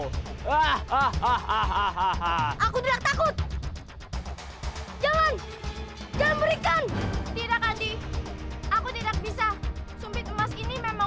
hahaha aku tidak takut jalan jalan berikan tidak andi aku tidak bisa sumpit emas ini memang